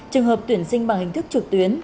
trường hợp tuyển sinh bằng hình thức trực tuyến